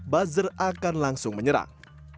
bazar akan langsung menyerang